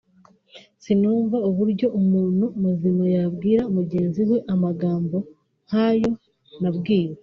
sinumva uburyo umuntu muzima yabwira mugenzi we amagambo nk’ayo nabwiwe